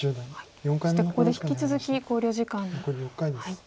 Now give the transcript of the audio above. そしてここで引き続き考慮時間に入っています。